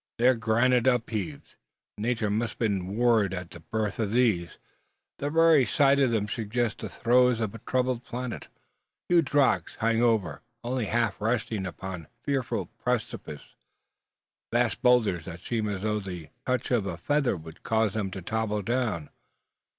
They are granite upheaved. Nature must have warred at the birth of these; the very sight of them suggests the throes of a troubled planet. Huge rocks hang over, only half resting upon fearful precipices; vast boulders that seem as though the touch of a feather would cause them to topple down.